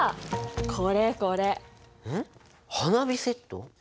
んっ花火セット？